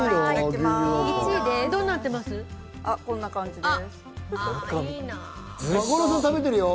こんな感じです。